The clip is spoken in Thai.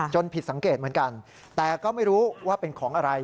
ผิดสังเกตเหมือนกันแต่ก็ไม่รู้ว่าเป็นของอะไร